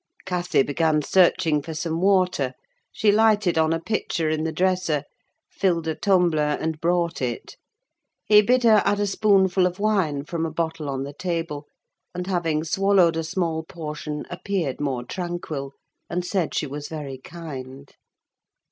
Cathy began searching for some water; she lighted on a pitcher in the dresser, filled a tumbler, and brought it. He bid her add a spoonful of wine from a bottle on the table; and having swallowed a small portion, appeared more tranquil, and said she was very kind.